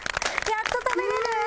やっと食べれる！